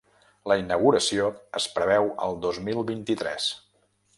La inauguració es preveu el dos mil vint-i-tres.